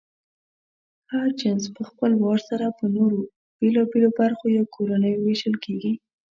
هر جنس پهخپل وار سره په نورو بېلابېلو برخو یا کورنیو وېشل کېږي.